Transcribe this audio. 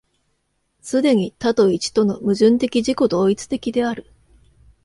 既に多と一との矛盾的自己同一的である。